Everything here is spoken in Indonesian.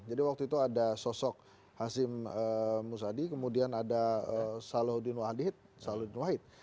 jadi waktu itu ada sosok hasim musadi kemudian ada saludin wahid